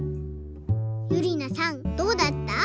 ゆりなさんどうだった？